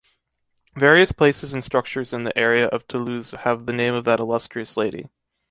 Various places and structures in the area of Toulouse have the name of that illustrious lady.